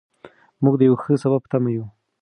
موږ د یو ښه سبا په تمه یو.